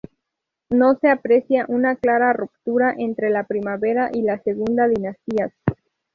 No se aprecia una clara ruptura entre la primera y la segunda dinastías.